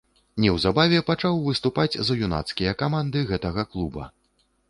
Неўзабаве пачаў выступаць за юнацкія каманды гэтага клуба.